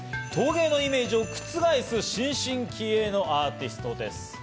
陶芸のイメージを覆す新進気鋭のアーティストです。